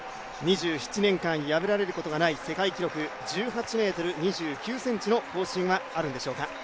２７年間破られることがない世界記録、１８ｍ２９ｃｍの更新はあるんでしょうか